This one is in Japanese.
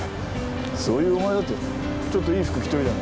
そういうお前だってちょっといい服着てるじゃないか。